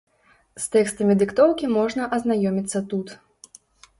З тэкстамі дыктоўкі можна азнаёміцца тут.